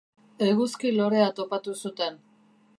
Eguzki-lorea topatu zuten.